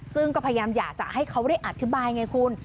ซึ่งก็พยายามอยากจะให้เขาได้อธิบายไงคุณ